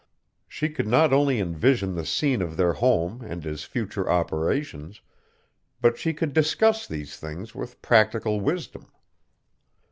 She could not only envision the scene of their home and his future operations, but she could discuss these things with practical wisdom.